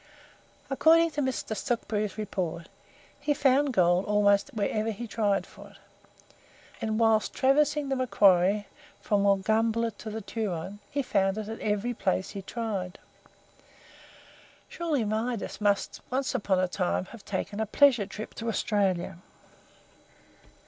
According to Mr. Stutchbury's report, he found gold ALMOST WHEREVER HE TRIED FOR IT, and whilst traversing the Macquarie from Walgumballa to the Turon, he found it at EVERY place he tried. Surely Midas must, once upon a time, have taken a pleasure trip to Australia!